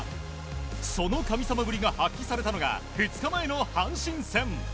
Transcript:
その神様ぶりが発揮されたのが２日前の阪神戦。